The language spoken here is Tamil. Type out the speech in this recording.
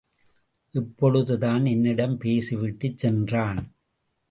இப்பொழுதுதான் என்னிடம் பேசி விட்டுச் சென்றான்.